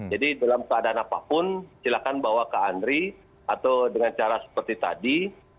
jadi dalam keadaan apapun silakan bawa ke andri atau dengan cara seperti tadi